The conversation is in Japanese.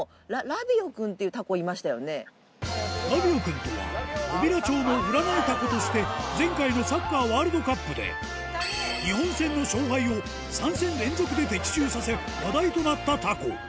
ラビオくんとは小平町の占いタコとして前回のサッカーワールドカップで日本戦の勝敗を３戦連続で的中させ話題となったタコ